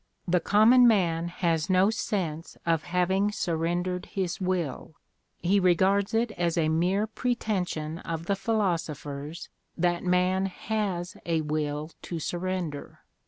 The common man has no sense of having surrendered his will : he regards it as a mere pretension of the philosophers that man has a wiU to surrender.